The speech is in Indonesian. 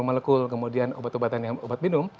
semua molekul kemudian obat obatan yang obat minum